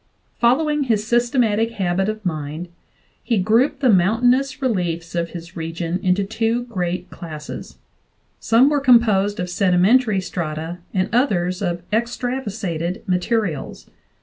Following his systematic habit of mind, he grouped the mountainous reliefs of his region into two great classes ; some were composed of sedimentary strata and others of extrav asated materials.